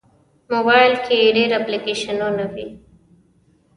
موبایل کې ډېر اپلیکیشنونه وي.